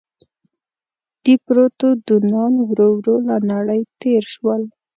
دیپروتودونان ورو ورو له نړۍ تېر شول.